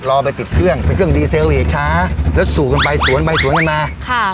รอไปติดเครื่องเป็นเครื่องดีเซลเอกช้าแล้วสู่กันไปสวนไปสวนกันมาค่ะ